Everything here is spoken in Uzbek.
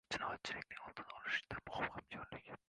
Jinoyatchilikning oldini olishda muhim hamkorlikng